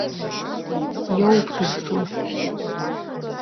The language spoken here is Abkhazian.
Иоуп дызҿу.